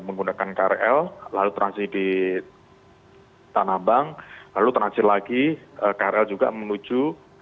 menggunakan krl lalu transit di tanah abang lalu transit lagi krl juga menuju